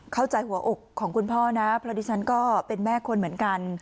หัวอกของคุณพ่อนะเพราะดิฉันก็เป็นแม่คนเหมือนกัน